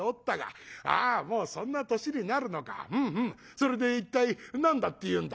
それで一体何だっていうんだ？」。